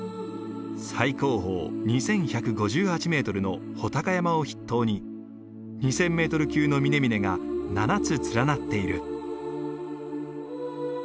最高峰２，１５８メートルの武尊山を筆頭に２，０００メートル級の峰々が７つ連なっている。